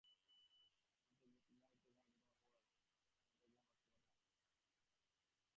এমনতরো মর্মান্তিক ভর্ৎসনার পরে বংশীর পক্ষে আর তাহার সঞ্চয়ের টাকা রক্ষা করা সম্ভবপর নহে।